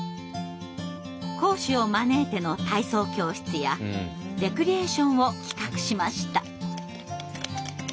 講師を招いての体操教室やレクリエーションを企画しました。